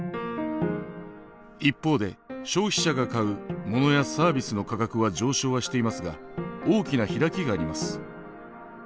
一方で消費者が買う物やサービスの価格は上昇はしていますが大きな開きがあります。